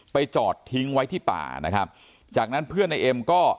จอดทิ้งไว้ที่ป่านะครับจากนั้นเพื่อนในเอ็มก็